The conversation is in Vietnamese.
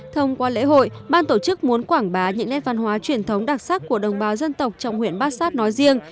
thông qua lễ hội ban tổ chức muốn quảng bá những nét văn hóa truyền thống đặc sắc của đồng bào dân tộc trong huyện bát sát nói riêng